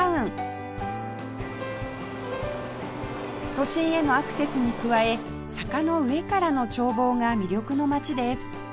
都心へのアクセスに加え坂の上からの眺望が魅力の街です